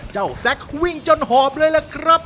แซ็กวิ่งจนหอบเลยล่ะครับ